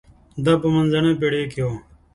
دا په منځنۍ پېړۍ کې و.